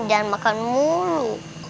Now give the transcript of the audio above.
jangan makan mulu